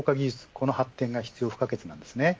この発展が必要不可欠です。